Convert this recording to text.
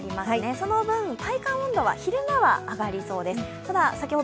その分、体感温度は昼間は上がりそうです。